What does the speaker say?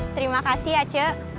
terima kasih aceh